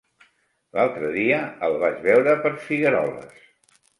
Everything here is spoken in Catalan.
L'altre dia el vaig veure per Figueroles.